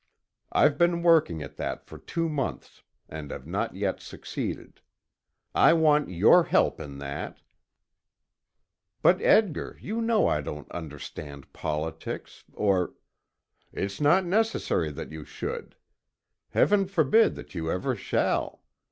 I've been working at that for two months, and have not yet succeeded. I want your help in that." "But, Edgar, you know I don't understand politics, or " "It's not necessary that you should. Heaven forbid that you ever shall!